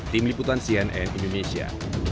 tim liputan cnn indonesia